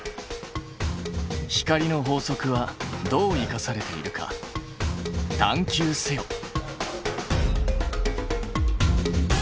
光の法則はどう生かされているか探究せよ！